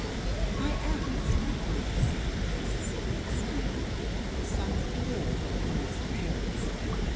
VI "I am," Mr. McDonald said, as the cigarette steamed, "the son of poor but honest parents.